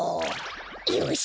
よし！